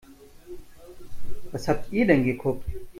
Was habt ihr denn geguckt?